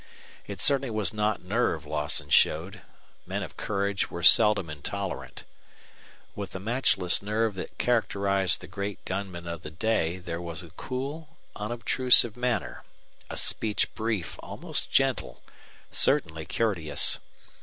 It certainly was not nerve Lawson showed; men of courage were seldom intolerant. With the matchless nerve that characterized the great gunmen of the day there was a cool, unobtrusive manner, a speech brief, almost gentle, certainly courteous.